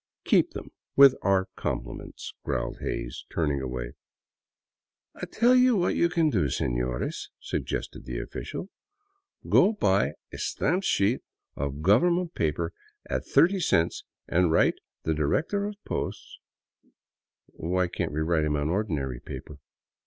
" Keep them, with our compliments," growled Hays, turning away. " I '11 tell you what you can do, sefiores," suggested the official ;Go buy a stamped sheet of government paper at thirty cents and write the Director of Posts —"" Why can't we write him on ordinary paper